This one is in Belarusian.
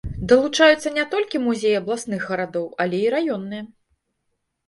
Далучаюцца не толькі музеі абласных гарадоў, але і раённыя.